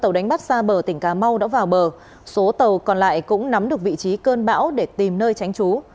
tàu đánh bắt xa bờ tỉnh cà mau đã vào bờ số tàu còn lại cũng nắm được vị trí cơn bão để tìm nơi tránh trú